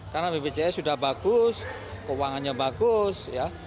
karena bpjs sudah bagus keuangannya bagus